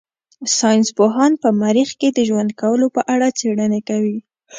ساينس پوهان په مريخ کې د ژوند کولو په اړه څېړنې کوي.